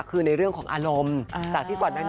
คือในเรื่องของอารมณ์